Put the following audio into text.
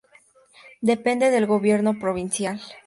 Depende del gobierno provincial.